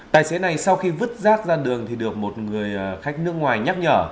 tài xế này sau khi vứt rác ra đường thì được một người khách nước ngoài nhắc nhở